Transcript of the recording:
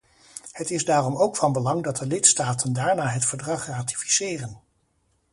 Het is daarom ook van belang dat de lidstaten daarna het verdrag ratificeren.